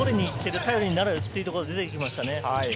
頼りになるというところが出てきました。